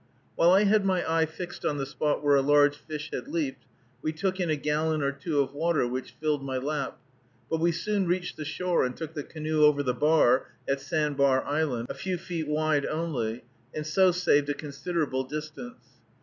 While I had my eye fixed on the spot where a large fish had leaped, we took in a gallon or two of water, which filled my lap; but we soon reached the shore and took the canoe over the bar, at Sand bar Island, a few feet wide only, and so saved a considerable distance.